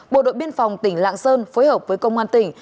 bộ đội biên phòng tỉnh lạng sơn phối hợp với công an tỉnh